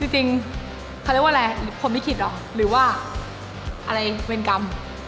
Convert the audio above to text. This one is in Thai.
จริงเขาเรียกว่าอะไรคนไม่ขิตเหรอหรือว่าอะไรเวรกรรม